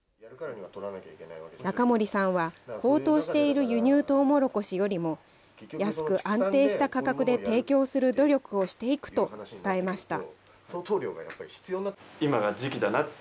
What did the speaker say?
中森さんは、高騰している輸入トウモロコシよりも、安く安定した価格で提供する努力をしていくと伝えました。